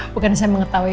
bukan saya mengetawai